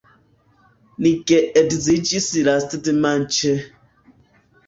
Ni geedziĝis lastdimanĉe.